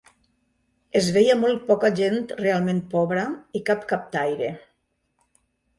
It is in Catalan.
Es veia molt poca gent realment pobra, i cap captaire